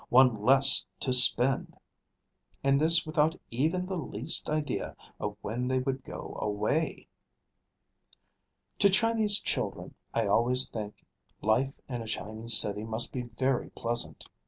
one less to spend!" and this without even the least idea of when they would go away. To Chinese children I always think life in a Chinese city must be very pleasant.